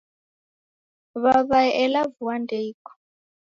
Waw'ae ela vua ndeiko.